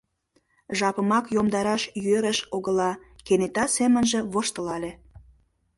Жапымак йомдараш йӧрыш огыла, — кенета семынже воштылале.